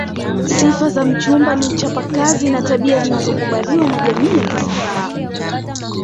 Sifa za mchumba ni uchapa kazi na tabia zinazokubaliwa na jamii ya kisambaa